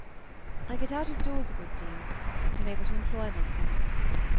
I get out of doors a good deal, and am able to employ myself.